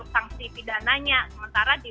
sanksi pidananya sementara di